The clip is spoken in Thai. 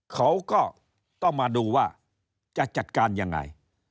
เขาก็ต้องมาดูว่าจะจัดการยังไง